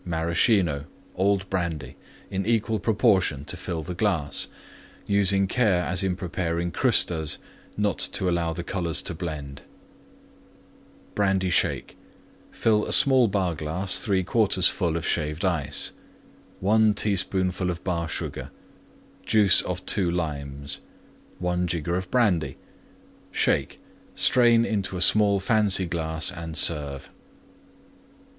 Maraschino. Old Brandy. In equal proportion to fill the glass, using care as in preparing Crustas, not to allow the colors to blend. BRANDY SHAKE Fill small Bar glass 3/4 full Shaved Ice. 1 teaspoonful Bar Sugar. Juice of 2 Limes. 1 jigger Brandy. Shake; strain into small fancy glass and serve.